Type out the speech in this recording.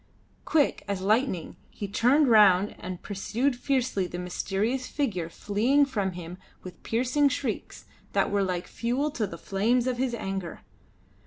Quick as lightning he turned round and pursued fiercely the mysterious figure fleeing from him with piercing shrieks that were like fuel to the flames of his anger.